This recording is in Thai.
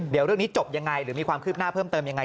เดี๋ยวเรื่องนี้จบยังไงหรือมีความคืบหน้าเพิ่มเติมยังไง